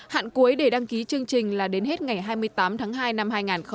hạn cuối để đăng ký chương trình là đến hết ngày hai mươi tám tháng hai năm hai nghìn hai mươi